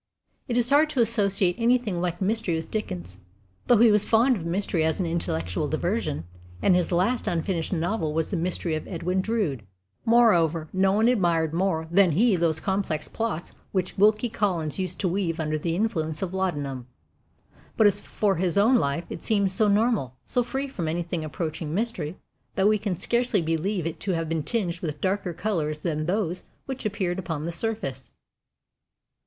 It is hard to associate anything like mystery with Dickens, though he was fond of mystery as an intellectual diversion, and his last unfinished novel was The Mystery of Edwin Drood. Moreover, no one admired more than he those complex plots which Wilkie Collins used to weave under the influence of laudanum. But as for his own life, it seemed so normal, so free from anything approaching mystery, that we can scarcely believe it to have been tinged with darker colors than those which appeared upon the surface.